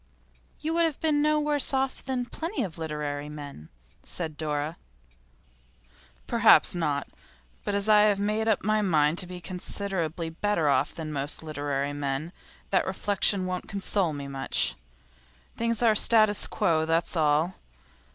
'You would have been no worse off than plenty of literary men,' said Dora. 'Perhaps not. But as I have made up my mind to be considerably better off than most literary men that reflection wouldn't console me much. Things are in statu quo, that's all.